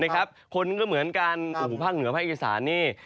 คนก็เหมือนกันภาคเหนือภาคอีกษานนี่